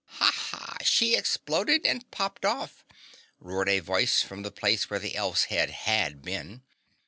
"Ha, ha! She exploded and popped off!" roared a voice from the place where the elf's head had been.